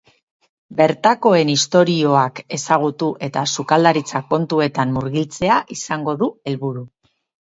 Bertakoen istorioak ezagutu eta sukaldaritza kontuetan murgiltzea izango du helburu.